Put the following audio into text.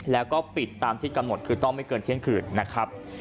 แล้วก็ปิดตามที่กำหนดคือต้องไม่เกินเที่ยงคืนนะครับ